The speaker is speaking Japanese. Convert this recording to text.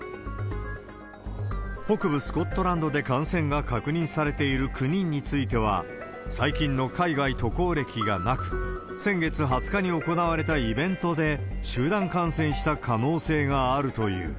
北部スコットランドで感染が確認されている９人については、最近の海外渡航歴がなく、先月２０日に行われたイベントで集団感染した可能性があるという。